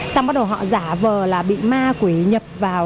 xong bắt đầu họ giả vờ là bị ma quỷ nhập vào